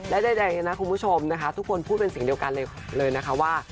และใดนะคุณผู้ชมนะคะทุกคนพูดเป็นเสียงเดียวกันเลยนะคะว่า